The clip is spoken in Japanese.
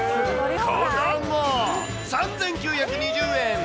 子ども３９２０円。